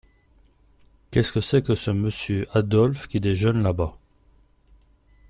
Qu’est-ce que c’est que ce Monsieur Adolphe qui déjeune là-bas ?